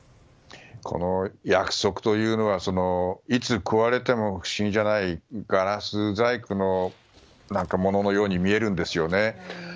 この約束というのはいつ壊れても不思議じゃないガラス細工のもののように見えるんですよね。